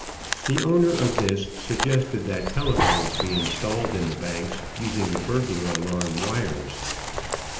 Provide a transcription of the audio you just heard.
The owner of this suggested that telephones be installed in the banks using the burglar alarm wires.